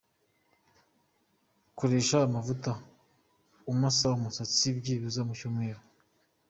Koresha amavuta umasa umusatsi byibuza mu cyumweru.